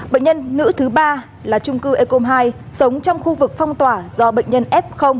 bệnh nhân nữ thứ ba là trung cư ecom hai sống trong khu vực phong tỏa do bệnh nhân f